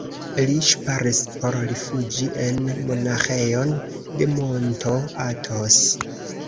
Li ŝparis por rifuĝi en monaĥejon de monto Atos.